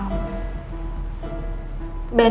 bening masih berusaha cari pesawat al yang hilang